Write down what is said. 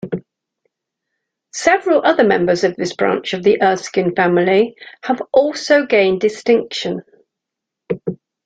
Several other members of this branch of the Erskine family have also gained distinction.